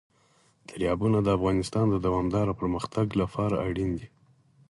دریابونه د افغانستان د دوامداره پرمختګ لپاره اړین دي.